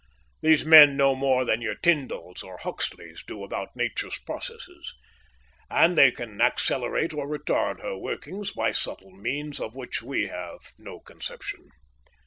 These men know more than your Tyndalls or Huxleys do about Nature's processes, and they can accelerate or retard her workings by subtle means of which we have no conception.